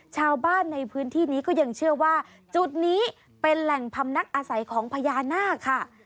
ชาวบ้านในพื้นที่นี้ก็ยังเชื่อว่าจุดนี้เป็นแหล่งพำนักอาศัยของพญานาคค่ะ